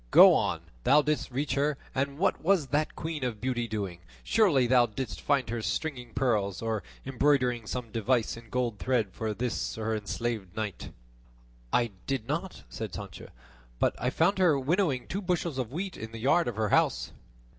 "Go on; thou didst reach her; and what was that queen of beauty doing? Surely thou didst find her stringing pearls, or embroidering some device in gold thread for this her enslaved knight." "I did not," said Sancho, "but I found her winnowing two bushels of wheat in the yard of her house."